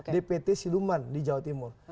dpt siluman di jawa timur